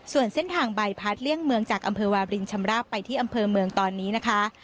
ส่วนเส้นทางใบพัดเลี่ยงเมืองจากอำเภอวารินชำราบไปที่อำเภอเมืองตอนนี้นะคะ